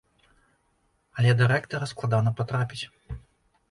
Але да рэктара складана патрапіць.